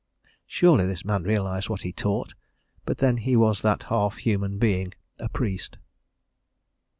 Surely this man realized what he taught, but then he was that half human being a priest.